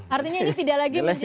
artinya ini tidak lagi menjadi